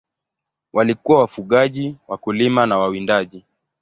Walikuwa wafugaji, wakulima na wawindaji.